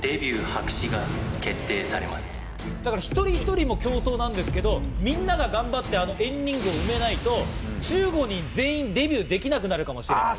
一人一人も競争なんですけど、皆が頑張って、あの＆ＲＩＮＧを埋めないと、１５人全員デビューできなくなるかもしれない。